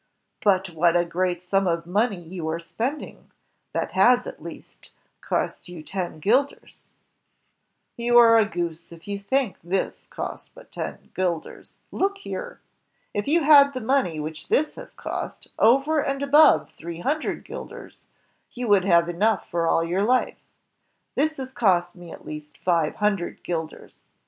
"But what a great sum of money you are spending. That has, at least, cost you ten guilders." 202 INVENTIONS OF PRINTING AND COMMUNICATION "You are a goose; you think this cost but ten guilders. Look here! If you had the money which this has cost, over and above three hundred guilders, you would have enough for all your life; this has cost me at least five himdred guilders.